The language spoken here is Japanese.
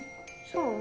そう？